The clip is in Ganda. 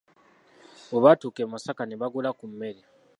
Bwe baatuuka e Masaka ne bagula ku mmere